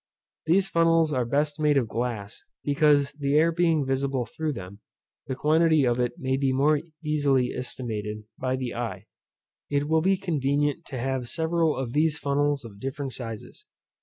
These funnels are best made of glass, because the air being visible through them, the quantity of it may be more easily estimated by the eye. It will be convenient to have several of these funnels of different sizes.